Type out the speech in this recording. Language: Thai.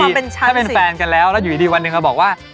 ถ้าเป็นแฟนกันแล้วแล้วอยู่ดีวันหนึ่งมาบอกว่า